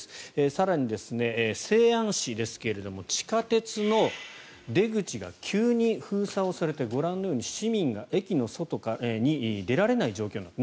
更に、西安市ですが地下鉄の出口が急に封鎖をされてご覧のように市民が駅の外に出られない状況になる。